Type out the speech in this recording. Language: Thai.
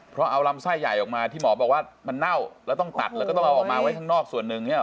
เพราะเอาลำไส้ใหญ่ออกมาที่หมอบอกว่ามันเน่าแล้วต้องตัดแล้วก็ต้องเอาออกมาไว้ข้างนอกส่วนหนึ่งเนี่ยห